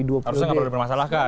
harusnya nggak perlu dimasalahkan